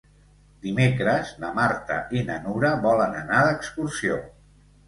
Dimecres na Marta i na Nura volen anar d'excursió.